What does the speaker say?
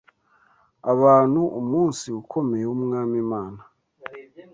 abantu umunsi ukomeye w’Umwami Imana